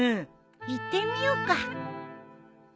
行ってみよっか。